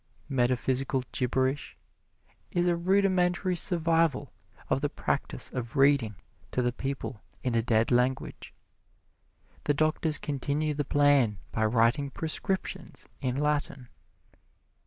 Metaphysical gibberish is a rudimentary survival of the practise of reading to the people in a dead language. The doctors continue the plan by writing prescriptions in Latin.